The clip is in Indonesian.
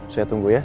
saya tunggu ya